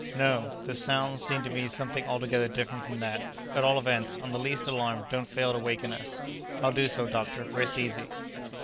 "No! the sounds seemed to me something altogether different from that; at all events, on the least alarm don't fail to waken us." "I'll do so, doctor; rest easy."